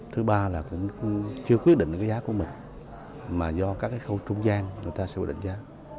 thứ ba là cũng chưa quyết định cái giá của mình mà do các cái khâu trung gian người ta sẽ quyết định giá